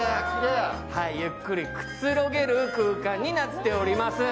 ゆっくりくつろげる空間になっております。